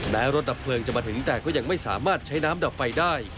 รถดับเพลิงจะมาถึงแต่ก็ยังไม่สามารถใช้น้ำดับไฟได้